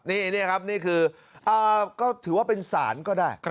นี่ครับนี่คือก็ถือว่าเป็นศาลก็ได้